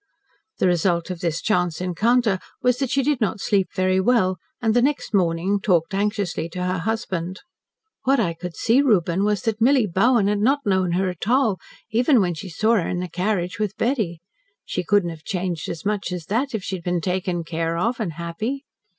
The result of this chance encounter was that she did not sleep very well, and the next morning talked anxiously to her husband. "What I could see, Reuben, was that Milly Bowen had not known her at all, even when she saw her in the carriage with Betty. She couldn't have changed as much as that, if she had been taken care of, and happy."